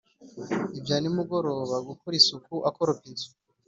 ibya nimugoroba, gukora isuku akoropa inzu,